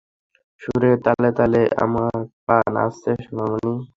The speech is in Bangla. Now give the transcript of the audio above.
সুরের তালে তালে আমার পা নাচছে, সোনামণি।